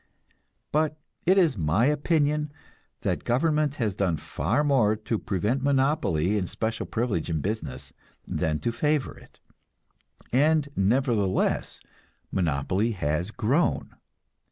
But it is my opinion that government has done far more to prevent monopoly and special privilege in business than to favor it; and nevertheless, monopoly has grown.